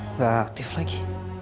nggak aktif lagi